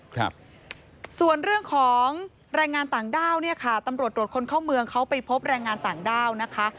ครับส่วนเรื่องของแรงงานต่างด้าวเนี่ยค่ะตำรวจตรวจคนเข้าเมืองเขาไปพบแรงงานต่างด้าวนะคะ